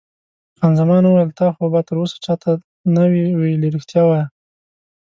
خان زمان وویل: تا خو به تراوسه چا ته نه وي ویلي؟ رښتیا وایه.